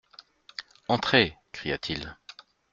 —«Entrez !» cria-t-il.